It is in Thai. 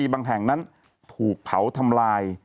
บางแห่งนั้นถูกเผาทำลาย